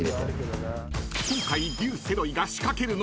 ［今回］